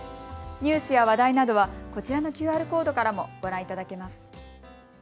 ニュースや話題などはこちらのＱＲコードからもご覧いただけます。